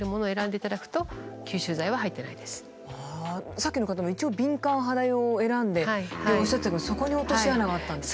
さっきの方も一応敏感肌用を選んで利用したっていうのはそこに落とし穴があったんですね。